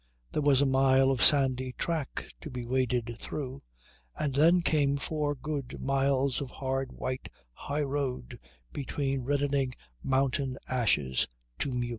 There was a mile of sandy track to be waded through, and then came four good miles of hard white highroad between reddening mountain ashes to Meuk.